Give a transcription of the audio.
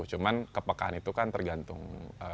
cuman kepekaan itu kan tergantung